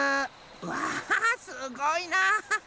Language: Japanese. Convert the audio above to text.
わすごいな！